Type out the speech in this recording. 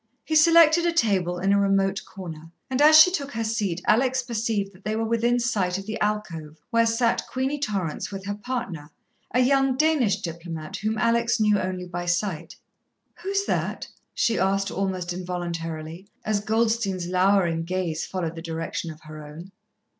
He selected a table in a remote corner, and as she took her seat, Alex perceived that they were within sight of the alcove where sat Queenie Torrance with her partner, a young Danish diplomat whom Alex knew only by sight. "Who is that?" she asked almost involuntarily, as Goldstein's lowering gaze followed the direction of her own.